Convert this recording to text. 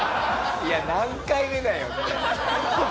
「いや何回目だよ！」